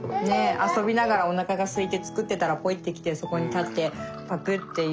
遊びながらおなかがすいて作ってたらポイッて来てそこに立ってパクッていう。